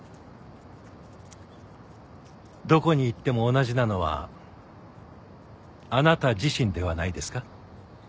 どこに行っても同じなのはあなた自身ではないですか？